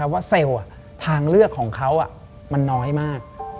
ว่าเซลล์ทางเลือกของเขามันน้อยมาก